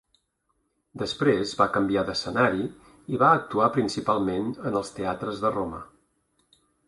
Després va canviar d'escenari i va actuar principalment en els teatres de Roma.